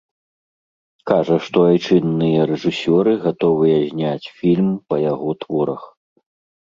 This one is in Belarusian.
Кажа, што айчынныя рэжысёры гатовыя зняць фільм па яго творах.